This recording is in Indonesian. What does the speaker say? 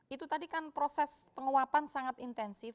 itu tadi kan proses penguapan sangat intensif